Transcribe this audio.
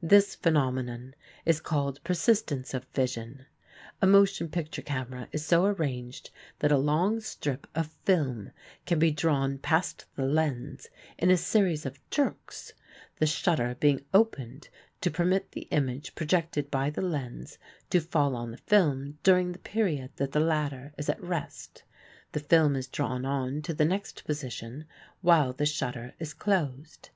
This phenomenon is called "persistence of vision." A motion picture camera is so arranged that a long strip of film can be drawn past the lens in a series of jerks, the shutter being opened to permit the image projected by the lens to fall on the film during the period that the latter is at rest; the film is drawn on to the next position while the shutter is closed.